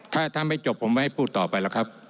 ถ้าไม่จบผมไม่ให้พูดต่อไปแล้วครับ